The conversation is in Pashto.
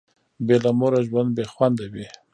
بي له موره ژوند بي خونده وي